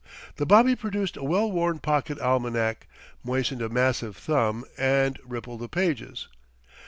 The bobby produced a well worn pocket almanac, moistened a massive thumb, and rippled the pages.